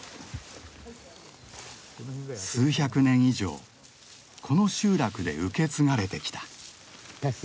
数百年以上この集落で受け継がれてきた。